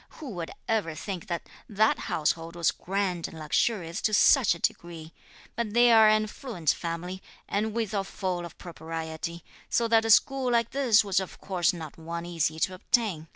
Who would ever think that that household was grand and luxurious to such a degree! But they are an affluent family, and withal full of propriety, so that a school like this was of course not one easy to obtain.